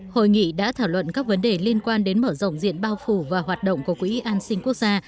hội nghị đã thảo luận các vấn đề liên quan đến mở rộng diện bao phủ và hoạt động của quỹ an sinh quốc gia